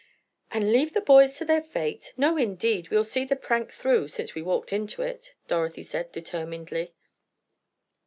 "And leave the boys to their fate? No, indeed, we'll see the prank through, since we walked into it," Dorothy said, determinedly.